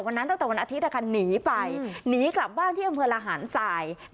ตั้งแต่วันอาทิตย์หนีไปหนีกลับบ้านที่อำเภอระหารสาย